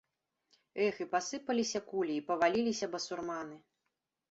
Эх, і пасыпаліся кулі, і паваліліся басурманы.